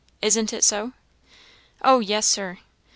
Isn't it so?" "Oh yes, Sir."